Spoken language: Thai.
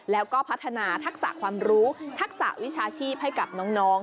แล้วก็พัฒนาทักษะความรู้ทักษะวิชาชีพให้กับน้อง